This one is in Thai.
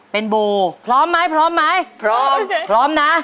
เป็นโบพร้อมไหมพร้อมพร้อมนะ